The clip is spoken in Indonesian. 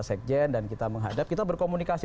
sekjen dan kita menghadap kita berkomunikasi